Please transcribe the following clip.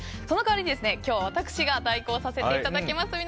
その代わり、今日は私が代行させていただきます。